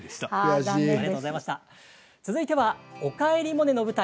続いては「おかえりモネ」の舞台